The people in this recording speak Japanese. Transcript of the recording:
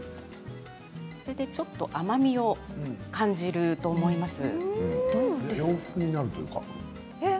それでちょっと甘みを感じると思います。